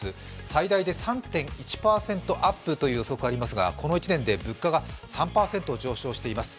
最大で３．１％アップという予測がありますがこの１年で物価が３％上昇しています。